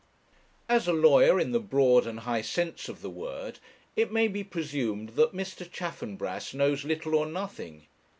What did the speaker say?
As a lawyer, in the broad and high sense of the word, it may be presumed that Mr. Chaffanbrass knows little or nothing.